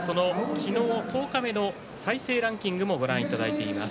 昨日十日目の再生ランキングをご覧いただいています。